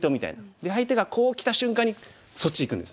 で相手がこうきた瞬間にそっちいくんです。